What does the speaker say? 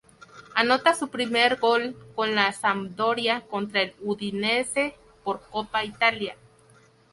Anota su primer gol con la Sampdoria contra el Udinese por Copa Italia.